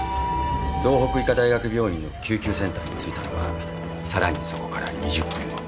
道北医科大学病院の救急センターに着いたのはさらにそこから２０分後。